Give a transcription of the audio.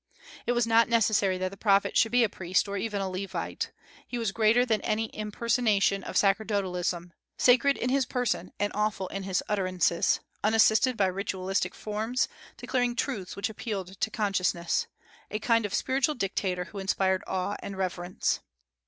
It was not necessary that the prophet should be a priest or even a Levite. He was greater than any impersonation of sacerdotalism, sacred in his person and awful in his utterances, unassisted by ritualistic forms, declaring truths which appealed to consciousness, a kind of spiritual dictator who inspired awe and reverence.